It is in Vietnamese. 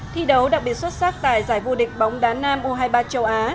thi đấu đặc biệt xuất sắc tại giải vô địch bóng đá nam u hai mươi ba châu á